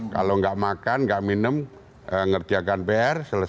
kalau nggak makan nggak minum ngerjakan pr selesai